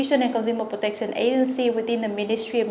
trong công nghiệp phòng chống dịch việt nam